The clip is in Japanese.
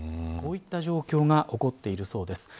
こういった状況が起こっているそうです。